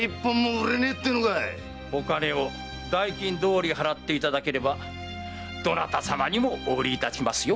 お金を代金どおり払っていただければどなた様にもお売り致しますよ。